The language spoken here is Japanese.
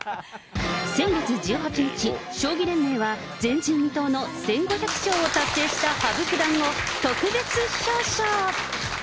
先月１８日、将棋連盟は、前人未到の１５００勝を達成した羽生九段を特別表彰。